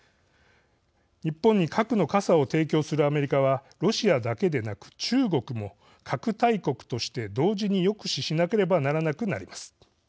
日本に核の傘を提供するアメリカは、ロシアだけでなく中国も、核大国として同時に抑止しなければならなくなります。